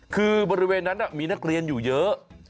คือบริเวณนั้นมีนักเรียนอยู่เยอะ